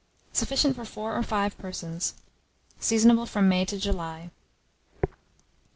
Sufficient for 4 or 5 persons. Seasonable from May to July.